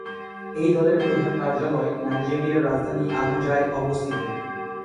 এই দলের প্রধান কার্যালয় নাইজেরিয়ার রাজধানী আবুজায় অবস্থিত।